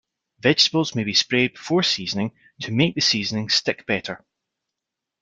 Vegetables may be sprayed before seasoning to make the seasonings stick better.